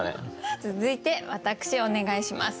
続いて私お願いします。